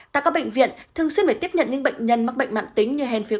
tại các bệnh viện thường xuyên phải tiếp nhận những bệnh nhân mắc bệnh mạng tính như hèn phế